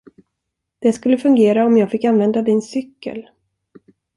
Det skulle fungera om jag fick använda din cykel.